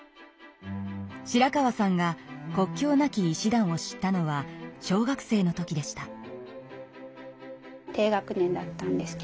白川さんが国境なき医師団を知ったのは小学生の時でした。